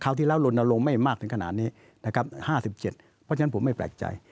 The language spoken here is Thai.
ที่แล้วลนลงไม่มากถึงขนาดนี้นะครับ๕๗เพราะฉะนั้นผมไม่แปลกใจ